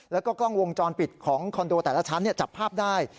แล้วก็กล้องวงจรปิดของคอนโดแต่ละชั้นจับภาพได้